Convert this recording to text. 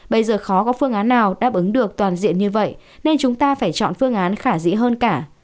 bây giờ khó có phương án nào đáp ứng được toàn diện như vậy nên chúng ta phải chọn phương án khả dĩ hơn cả